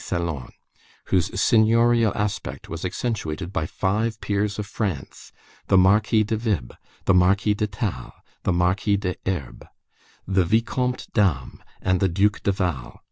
salon, whose seigniorial aspect was accentuated by five peers of France, the Marquis de Vib, the Marquis de Tal, the Marquis de Herb, the Vicomte Damb, and the Duc de Val.